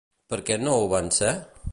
Per què no ho van ser?